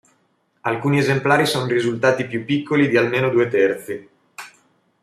Alcuni esemplari sono risultati più piccoli di almeno due terzi.